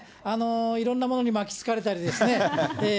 いろんなものに巻きつかれたりですね。